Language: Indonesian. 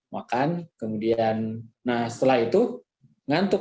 makan kemudian nah setelah itu ngantuk